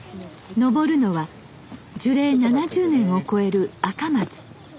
登るのは樹齢７０年を超えるアカマツ。